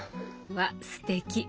わっすてき！